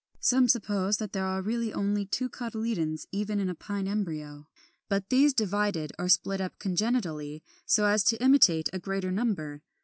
Some suppose that there are really only two cotyledons even in a Pine embryo, but these divided or split up congenitally so as to imitate a greater number.